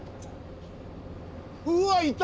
うわっいた！